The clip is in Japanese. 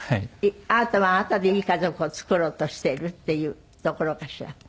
あなたはあなたでいい家族を作ろうとしてるっていうところかしら。